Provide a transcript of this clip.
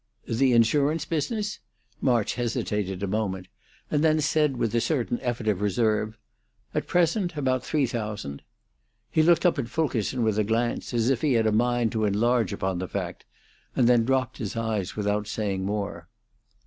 "The insurance business?" March hesitated a moment and then said, with a certain effort of reserve, "At present about three thousand." He looked up at Fulkerson with a glance, as if he had a mind to enlarge upon the fact, and then dropped his eyes without saying more.